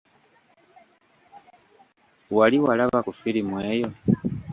Wali walaba ku firimu eyo?